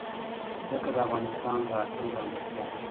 ځمکه د افغانستان د اقلیم ځانګړتیا ده.